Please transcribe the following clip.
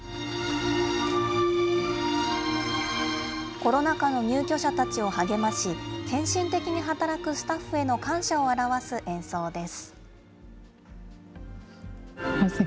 コロナ禍の入居者たちを励まし、献身的に働くスタッフへの感謝を表す演奏です。